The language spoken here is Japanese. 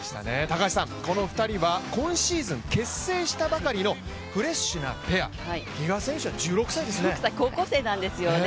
この２人は今シーズン結成したばかりのフレッシュなペア、比嘉選手は１６歳なんですよね。